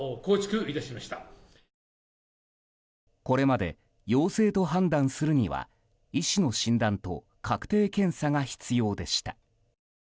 これまで陽性と判断するには医師の診断と確定検査が必要でした。